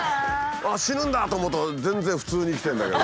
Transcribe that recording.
死ぬんだと思うと全然普通に生きてるんだけど。